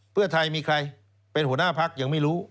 เพื่อไทยมีใครเป็นหัวหน้าพักยังไม่รู้